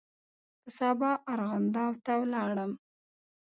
په سبا ارغنداو ته ولاړم.